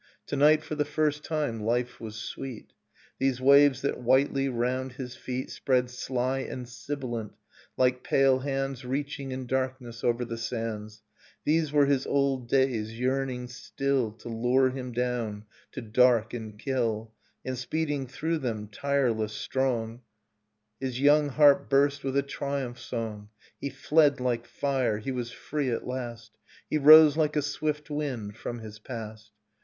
To night, for the first time, life was sweet! These waves that whitely round his feet Spread sly and sibilant, like pale hands Reaching in darkness over the sands, These were his old days yearning still To lure him down to dark and kill; And speeding through them, tireless, strong, Innocence His young heart burst with a triumph song, He fled like fire, he was free at last, He rose like a swift wind from his past.